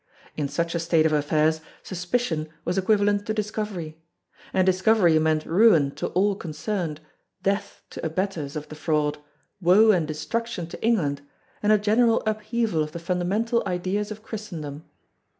In such a state of affairs suspicion was equivalent to discovery. And discovery meant ruin to all concerned, death to abettors of the fraud, woe and destruction to England and a general upheaval of the fundamental ideas of Christendom.